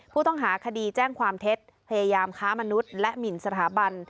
ผู้ต้องหาคดีแจ้งความเท็จพยายามค้ามนุษย์และหมินสถาบัน